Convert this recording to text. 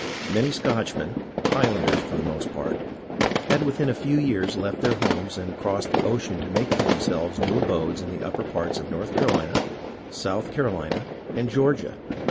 Many Scotchmen, Highlanders for the most part, had within a few years left their homes and crossed the ocean to make for themselves new abodes in the upper parts of North Carolina, South Carohna, and Georgia.